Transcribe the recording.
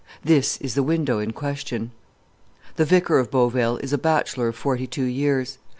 This is the window in question. The vicar of Beauvale is a bachelor of forty two years.